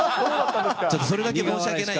ちょっとそれだけ申し訳ない。